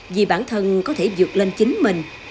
vì bản thân có thể dược lên chính mình